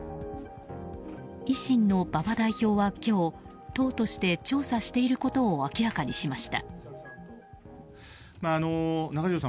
維新の馬場代表は今日党として調査していることを明らかにしました。